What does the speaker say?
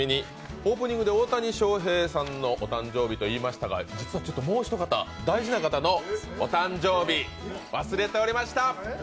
オープニングで大谷翔平さんの誕生日といいましたが、実はもうひと方、大事な方のお誕生日、忘れておりました。